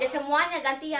ya semuanya gantian